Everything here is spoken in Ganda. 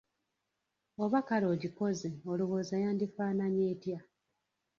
Oba kale ogikoze olowooza yandifaananye etya?